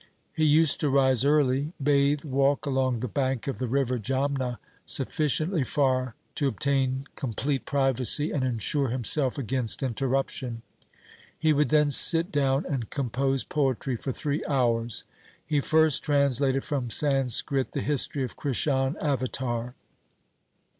He used to rise early, bathe, walk along the bank of the river Jamna sufficiently far to obtain complete privacy and ensure himself against interruption. He would then sit down and compose poetry for three hours. He first translated from Sanskrit the history of Krishan avatar.